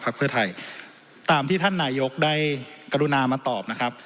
ภักดิ์เพื่อไทยตามที่ท่านนายยกได้กระดูกนามาตอบนะครับ